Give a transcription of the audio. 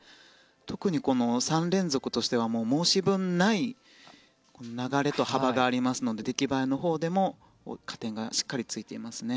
特にこの３連続としては申し分ない流れと幅がありますので出来栄えのほうでも加点がしっかりついていますね。